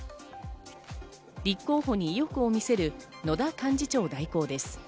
立候補に意欲を見せる野田幹事長代行です。